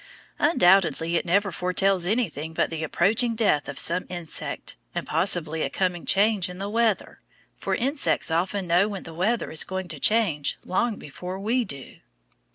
Undoubtedly it never foretells anything but the approaching death of some insect and possibly a coming change in the weather, for insects often know when the weather is going to change long before we do.